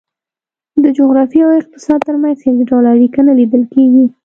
د جغرافیې او اقتصاد ترمنځ هېڅ ډول اړیکه نه لیدل کېږي.